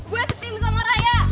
gue setim sama raya